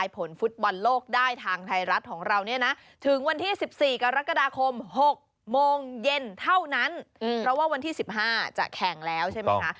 เพราะว่าวันที่๑๕จะแข่งแล้วใช่ไหมคะ